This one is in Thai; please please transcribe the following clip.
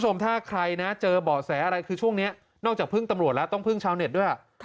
ถ้าใครนะเจอเบาะแสอะไรคือช่วงนี้นอกจากพึ่งตำรวจแล้วต้องพึ่งชาวเน็ตด้วย